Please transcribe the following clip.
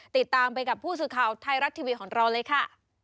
ติดตามไปกับผู้สื่อข่าวไทยรัฐทีวีของเราเลยค่ะ